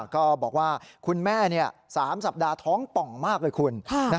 ก็บอกว่าคุณแม่๓สัปดาห์ท้องป่องมากเลยคุณ